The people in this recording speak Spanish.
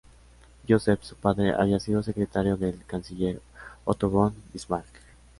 Joseph, su padre, había sido secretario del canciller Otto von Bismarck.